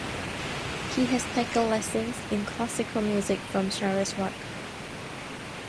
He has taken lessons in classical music from Suresh Wadkar.